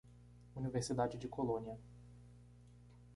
Universidade de Colônia.